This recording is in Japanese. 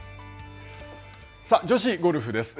女子ゴルフです。